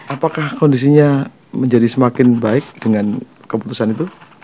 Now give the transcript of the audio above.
apakah kondisinya menjadi semakin baik dengan keputusan itu